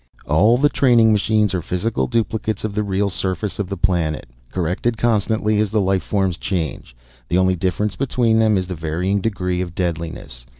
"All the training machines are physical duplicates of the real surface of the planet, corrected constantly as the life forms change. The only difference between them is the varying degree of deadliness.